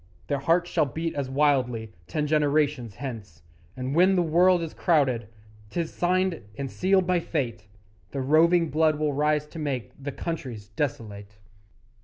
Their hearts shall beat as wildly Ten generations hence; And when the world is crowded 'Tis signed and sealed by Fate The roving blood will rise to make The countries desolate.